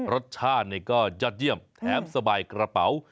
รสชาติก็ยอดเยี่ยมแถมสบายกระเป๋า